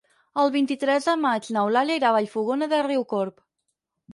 El vint-i-tres de maig n'Eulàlia irà a Vallfogona de Riucorb.